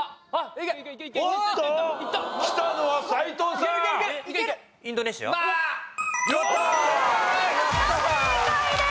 正解です。